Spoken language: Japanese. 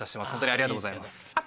ホントにありがとうございます。